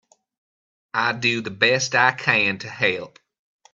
I do the best I can to help.